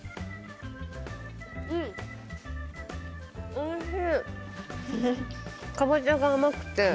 おいしい！